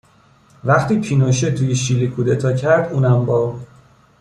وقتی پینوشه توی شیلی کودتا کرد اونم با